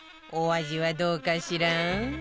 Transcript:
お味はどうかしら？